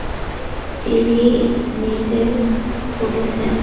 তিনি নিজে করেছেন।